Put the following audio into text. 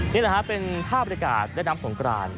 นี่แหละฮะเป็นภาพบริการเล่นน้ำสงกราน